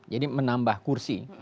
jadi menambah kursi